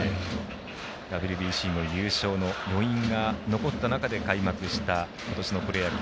ＷＢＣの優勝の余韻が残った中で開幕した今年のプロ野球。